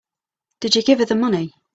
Did you give her the money?